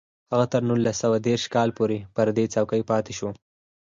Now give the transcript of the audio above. هغه تر نولس سوه دېرش کال پورې پر دې څوکۍ پاتې شو